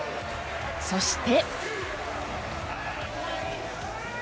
そして。